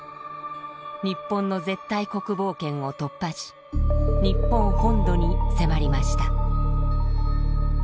日本の絶対国防圏を突破し日本本土に迫りました。